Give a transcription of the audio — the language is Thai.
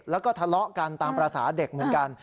แล้วก็ทะเลาะกันตามภาษาเด็กเหมือนกัน